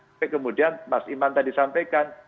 sampai kemudian mas iman tadi sampaikan